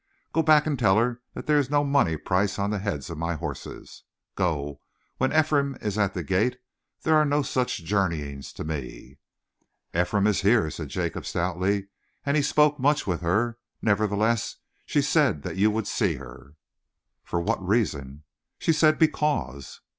"Go back and tell her that there is no money price on the heads of my horses. Go! When Ephraim is at the gate there are no such journeyings to me." "Ephraim is here," said Jacob stoutly, "and he spoke much with her. Nevertheless she said that you would see her." "For what reason?" "She said: 'Because.'"